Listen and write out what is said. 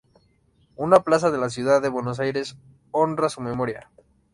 Una plaza de la ciudad de Buenos Aires honra su memoria.